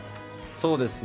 そうですね。